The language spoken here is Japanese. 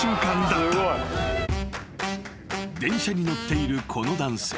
［電車に乗っているこの男性］